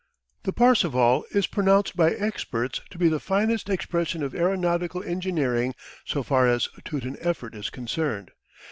The Parseval is pronounced by experts to be the finest expression of aeronautical engineering so far as Teuton effort is concerned.